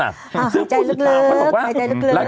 หายใจลึก